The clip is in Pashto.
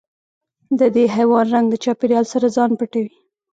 د دې حیوان رنګ د چاپېریال سره ځان پټوي.